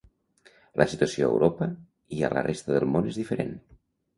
La situació a Europa i a la resta del món és diferent.